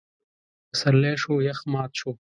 پسرلی شو؛ يخ مات شو.